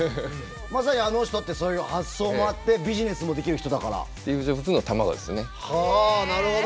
まさにあの人ってそういう発想もあってビジネスもできる人だから。はあなるほど。